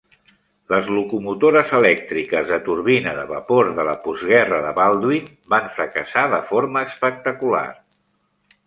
Les locomotores elèctriques de turbina de vapor de la postguerra de Baldwin van fracassar de forma espectacular.